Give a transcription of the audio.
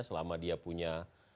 selama dia punya